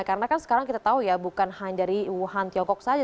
karena kan sekarang kita tahu ya bukan hanya dari wuhan tiongkok saja